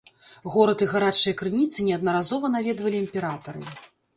Горад і гарачыя крыніцы неаднаразова наведвалі імператары.